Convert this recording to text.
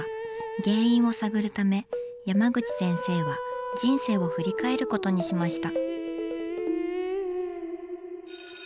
原因を探るため山口先生は人生を振り返ることにしました。